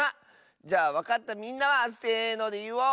じゃあわかったみんなはせのでいおう！